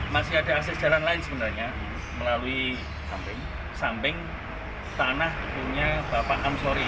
masih ada akses jalan lain sebenarnya melalui samping tanah umumnya bapak amsori